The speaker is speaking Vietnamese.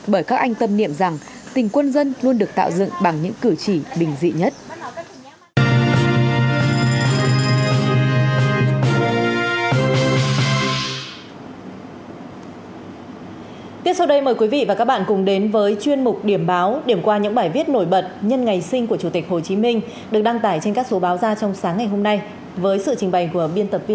bởi các anh tâm niệm rằng tình quân dân luôn được tạo dựng bằng những cử chỉ bình dị nhất